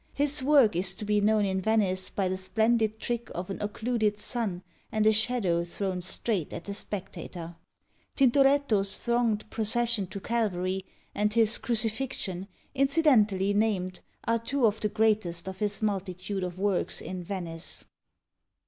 His work is to be known in Venice by the splendid trick of an occluded sun and a shadow thrown straight at the spectator. Tintoretto's thronged "Procession to Calvary" and his "Crucifixion," incidentally named, are two of the greatest of his multitude of works in Venice.